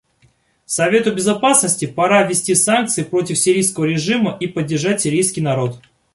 Совету Безопасности пора ввести санкции против сирийского режима и поддержать сирийский народ.